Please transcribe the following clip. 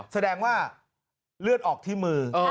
แสดงว่าเลือดออกที่มือ